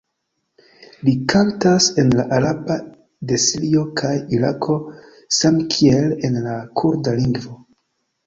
Li kantas en la araba de Sirio kaj Irako samkiel en la kurda lingvo.